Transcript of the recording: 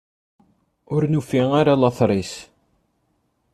Ur nufi ara later-is.